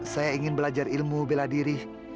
saya ingin belajar ilmu bela diri